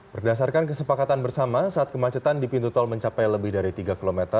berdasarkan kesepakatan bersama saat kemacetan di pintu tol mencapai lebih dari tiga km